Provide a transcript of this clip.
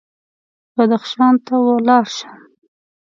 بدخشان ته ولاړ شم.